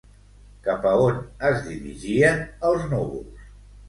Cap a on es dirigien els núvols?